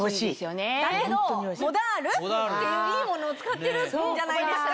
だけどモダールっていういいものを使ってるじゃないですか。